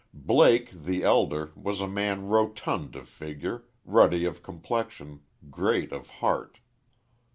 Blake, the elder, was a man rotund of figure, ruddy of complexion, great of heart.